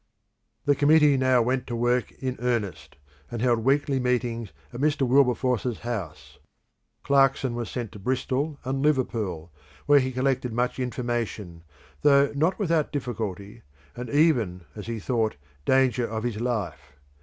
The Committee now went to work in earnest, and held weekly meetings at Mr. Wilberforce's house. Clarkson was sent to Bristol and Liverpool, where he collected much information, though not without difficulty, and even, as he thought, danger of his life.